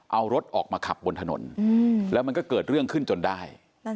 เอารถออกมาขับบนถนนแล้วมันก็เกิดเรื่องขึ้นจนได้